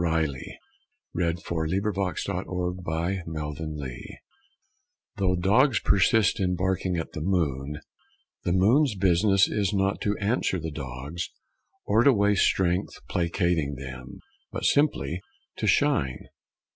[Illustration: JAMES WHITCOMB RILEY] MY PHILOSOPHY Though dogs persist in barking at the moon, the moon's business is not to answer the dogs or to waste strength placating them, but simply to shine.